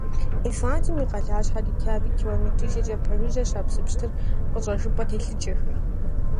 Исландием и къалащхьэ Рейкьявик километрищэкӀэ пэжыжьэщ а псы пщтыр къыщӀэжыпӀэ телъыджэхэр.